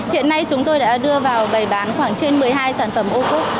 hiện nay chúng tôi đã đưa vào bày bán khoảng trên một mươi hai sản phẩm ô cốt